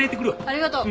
ありがとう。